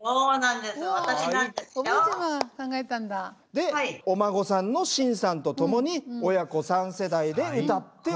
でお孫さんの慎さんとともに親子３世代で歌って踊ったと。